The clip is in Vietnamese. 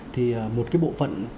thì một cái bộ phận